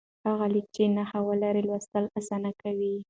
هغه لیک چې نښې لري، لوستل اسانه کوي.